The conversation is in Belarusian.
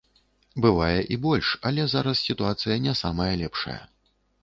Бывае і больш, але зараз сітуацыя не самая лепшая.